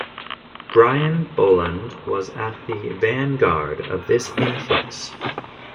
Brian Bolland was at the vanguard of this influx.